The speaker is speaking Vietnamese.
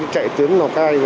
chạy tuyến lào cai